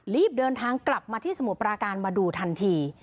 รีบเดินทางกลับมาที่สมุทรปราการมาดูทันที